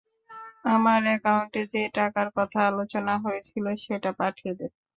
আমার একাউন্টে যে টাকার কথা আলোচনা হয়েছিল সেটা পাঠিয়ে দে।